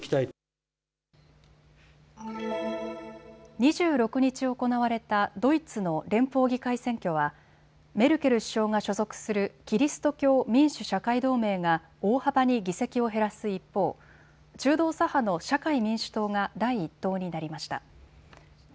２６日行われたドイツの連邦議会選挙はメルケル首相が所属するキリスト教民主・社会同盟が大幅に議席を減らす一方、中道左派の社会民主党が第１党になりました。